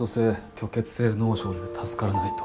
虚血性脳症で助からないと。